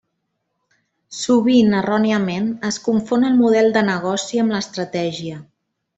Sovint, erròniament, es confon el model de negoci amb l’estratègia.